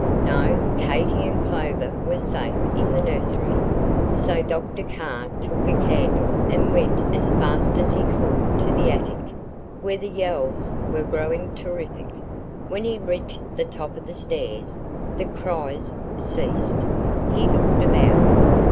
No, Katy and Clover were safe in the nursery; so Dr. Carr took a candle and went as fast as he could to the attic, where the yells were growing terrific. When he reached the top of the stairs, the cries ceased. He looked about.